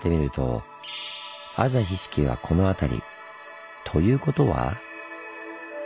「字ヒシキ」はこの辺り。ということは。